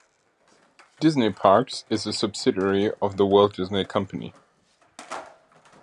Disney Parks is a subsidiary of The Walt Disney Company.